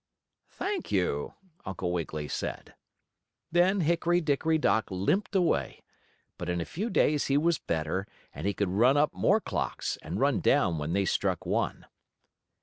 "Thank you," Uncle Wiggily said. Then Hickory Dickory Dock limped away, but in a few days he was better, and he could run up more clocks, and run down when they struck one.